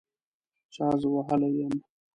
چا زه وهلي یم